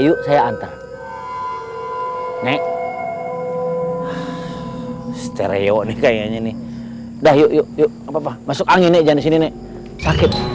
nek saya antar ya nek stereotip kayaknya nih dah yuk apa masuk angin ini jauh disini nih sakit